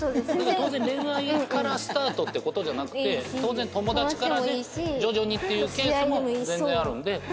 当然恋愛からスタートっていう事じゃなくて当然友達からで徐々にっていうケースも全然あるんで。